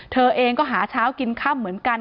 เธอเองก็หาเช้ากินค่ำเหมือนกัน